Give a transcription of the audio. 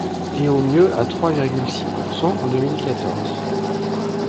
et au mieux à trois virgule six pourcent en deux mille quatorze.